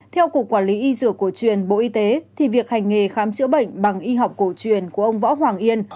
theo cục quản lý y dược cổ truyền bộ y tế thì việc hành nghề khám chữa bệnh bằng y học cổ truyền của ông võ hoàng yên